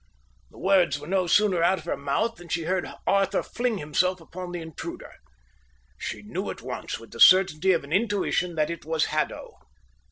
The words were no sooner out of her mouth than she heard Arthur fling himself upon the intruder. She knew at once, with the certainty of an intuition, that it was Haddo.